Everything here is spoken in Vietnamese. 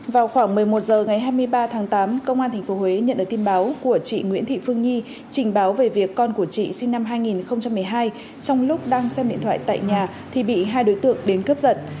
vào khoảng một mươi một h ngày hai mươi ba tháng tám công an tp huế nhận được tin báo của chị nguyễn thị phương nhi trình báo về việc con của chị sinh năm hai nghìn một mươi hai trong lúc đang xem điện thoại tại nhà thì bị hai đối tượng đến cướp giật